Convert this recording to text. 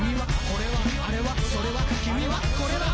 「これはあれはそれはこれは」